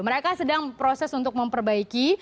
mereka sedang proses untuk memperbaiki